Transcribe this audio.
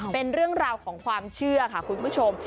เป็นเรื่องราวของความเชื่อค่ะคุณผู้ชม